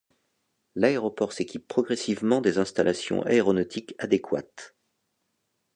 L'aéroport s'équipe progressivement des installations aéronautiques adéquates.